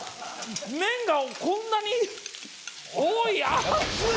麺がこんなに多い熱い！